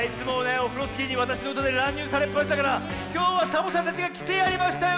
オフロスキーにわたしのうたでらんにゅうされっぱなしだからきょうはサボさんたちがきてやりましたよ！